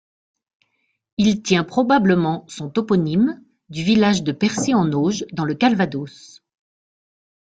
Il tient probablement son toponyme du village de Percy-en-Auge dans le Calvados.